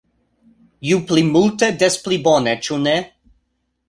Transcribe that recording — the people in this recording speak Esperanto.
Ju pli multe, des pli bone, ĉu ne?